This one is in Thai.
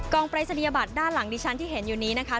ปรายศนียบัตรด้านหลังดิฉันที่เห็นอยู่นี้นะคะ